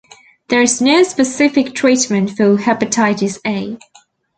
There is no specific treatment for hepatitis A.